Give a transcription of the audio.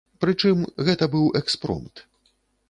Прычым, гэта быў экспромт.